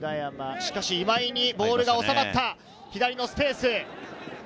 しかし今井にボールが収まった左のスペース。